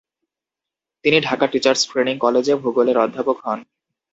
তিনি Dhaka teachers training কলেজে ভূগোলের অধ্যাপক হন।